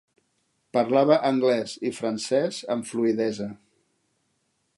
Parlava anglès i francès amb fluïdesa.